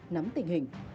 nắm tình hình